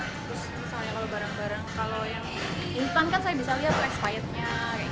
terus misalnya kalau barang barang kalau yang instan kan saya bisa lihat rexpietnya